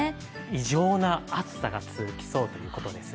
異常の暑さが続きそうということですね。